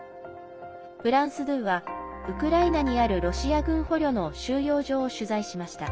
フランス２はウクライナにあるロシア軍捕虜の収容所を取材しました。